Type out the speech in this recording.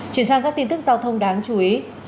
chuyển sang các tin tức giao thông đáng chú ý